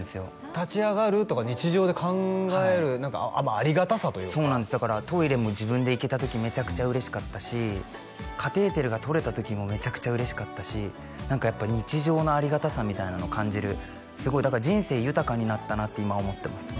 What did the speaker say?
立ち上がるとか日常で考える何かありがたさというかそうなんですだからトイレも自分で行けた時めちゃくちゃ嬉しかったしカテーテルが取れた時もめちゃくちゃ嬉しかったし何かやっぱ日常のありがたさみたいなのを感じるすごいだから人生豊かになったなって今思ってますね